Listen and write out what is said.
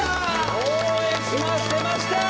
「応援します」出ました！